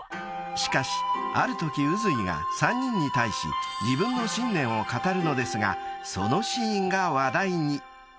［しかしあるとき宇髄が３人に対し自分の信念を語るのですがそのシーンが話題に］